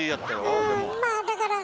うんまあだからねえ？